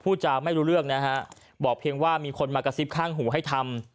จะไม่รู้เรื่องนะฮะบอกเพียงว่ามีคนมากระซิบข้างหูให้ทำ